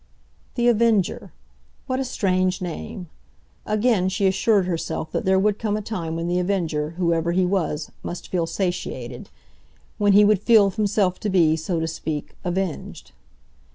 The Avenger? What a strange name! Again she assured herself that there would come a time when The Avenger, whoever he was, must feel satiated; when he would feel himself to be, so to speak, avenged.